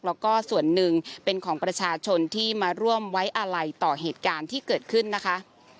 แล้วก็ส่วนหนึ่งเป็นของประชาชนที่มาร่วมไว้อาลัยต่อเหตุการณ์ที่เกิดขึ้นนะคะ